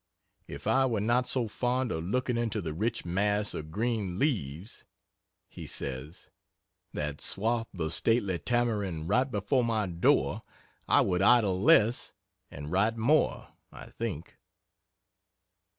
"If I were not so fond of looking into the rich mass of green leaves," he says, "that swathe the stately tamarind right before my door, I would idle less, and write more, I think."